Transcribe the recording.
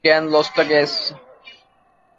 Dehn lost the case.